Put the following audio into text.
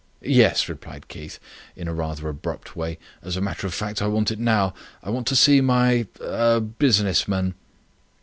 "Yes," replied Keith, in a rather abrupt way. "As a matter of fact I want it now. I want to see my er business man."